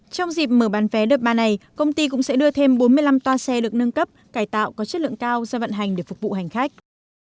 trong dịp mở bán vé đợt ba này công ty cũng sẽ đưa thêm bốn mươi năm toa xe được nâng cấp cải tạo có chất lượng cao ra vận hành để phục vụ hành khách